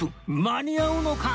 間に合うのか！？